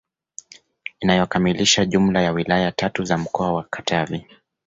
Inayokamilisha jumla ya wilaya tatu za mkoa wa Katavi